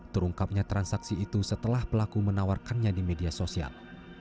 terungkapnya transaksi itu setelah pelaku menawarkannya di media sosial